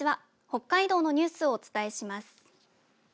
北海道のニュースをお伝えします。